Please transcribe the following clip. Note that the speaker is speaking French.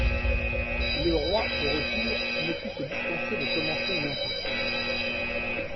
Le roi, au retour, ne put se dispenser de commencer une enquête.